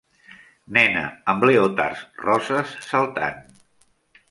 Nena amb leotards roses saltant.